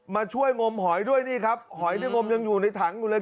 มาช่วยงมหอยด้วยนี่ครับหอยด้วยงมยังอยู่ในถังอยู่เลย